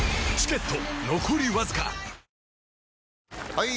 ・はい！